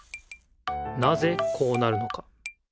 なぜこうなるのか。